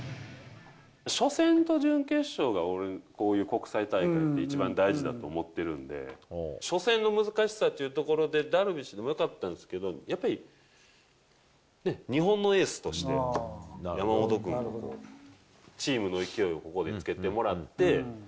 初戦と準決勝が俺、こういう国際大会で一番大事だと思ってるんで、初戦の難しさというところで、ダルビッシュでもよかったんですけど、やっぱりね、日本のエースとして、山本君を、チームの勢いをここでつけてもらって。